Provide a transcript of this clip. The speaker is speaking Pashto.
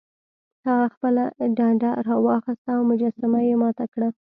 هغه خپله ډنډه راواخیسته او مجسمه یې ماته کړه.